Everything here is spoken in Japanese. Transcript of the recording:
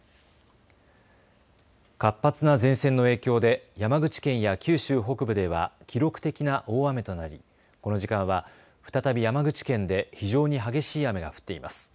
活発な前線の影響で山口県や九州北部では記録的な大雨となりこの時間は再び山口県で非常に激しい雨が降っています。